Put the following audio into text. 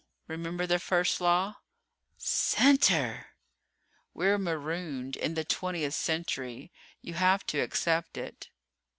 Remember the First Law?" "Center!" "We're marooned in the Twentieth Century. You have to accept it."